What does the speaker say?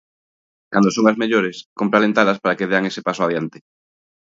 Cando son as mellores, cómpre alentalas para que dean ese paso adiante.